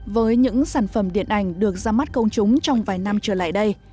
với những sản phẩm điện ảnh được ra mắt công chúng trong vài năm trở lại đây